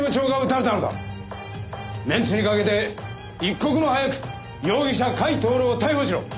メンツにかけて一刻も早く容疑者甲斐享を逮捕しろ。